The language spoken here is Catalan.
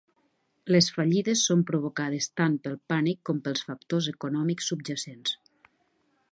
Les fallides són provocades tant pel pànic com pels factors econòmics subjacents.